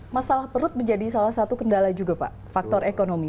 masalah perut menjadi salah satu kendala juga pak faktor ekonomi